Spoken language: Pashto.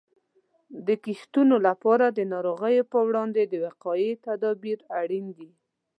د کښتونو لپاره د ناروغیو په وړاندې د وقایې تدابیر اړین دي.